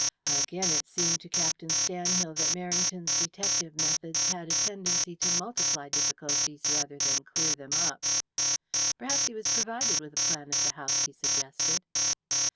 Again, it seemed to Captain Stanhill that Merrington's detective methods had a tendency to multiply difficulties rather than clear them up. "Perhaps he was provided with a plan of the house," he suggested.